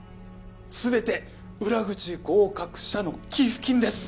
全て裏口合格者の寄付金です